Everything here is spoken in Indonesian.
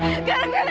mau ingatkan apa